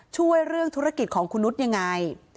ช่วยเรื่องธุรกิจของคุณนุษย์ยังไง